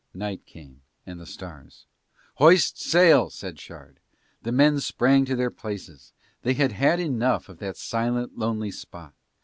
Night came and the stars. "Hoist sail," said Shard. The men sprang to their places, they had had enough of that silent lonely spot.